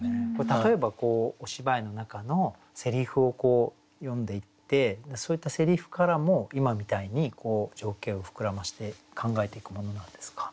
例えばお芝居の中のせりふを読んでいってそういったせりふからも今みたいに情景を膨らまして考えていくものなんですか？